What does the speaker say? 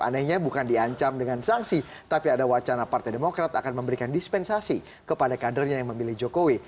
anehnya bukan diancam dengan sanksi tapi ada wacana partai demokrat akan memberikan dispensasi kepada kadernya yang memilih jokowi